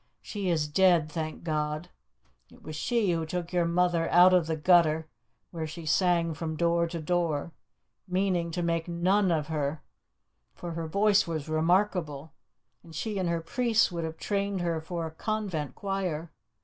She is dead, thank God! It was she who took your mother out of the gutter, where she sang from door to door, meaning to make a nun of her, for her voice was remarkable, and she and her priests would have trained her for a convent choir.